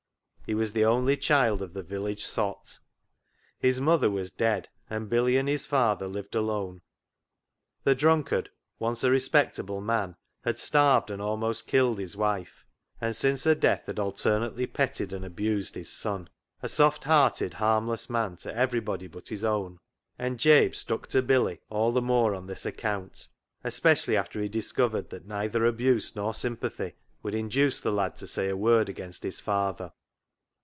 He was the only child of the village sot. His mother was dead, and Billy and his father lived alone. The drunkard, once a respectable man, had starved and almost killed his wife, and since her death had alternately petted and abused BILLY BOTCH 35 his son. A soft hearted, harmless man to everybody but his own. And Jabe stuck to Billy all the more on this account, especially after he discovered that neither abuse nor sympathy would induce the lad to say a word against his father.